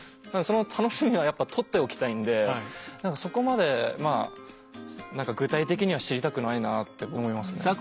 その楽しみはやっぱ取っておきたいんでそこまでまあ何か具体的には知りたくないなって思いますね。